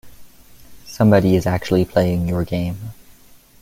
Somebody is actually playing your game.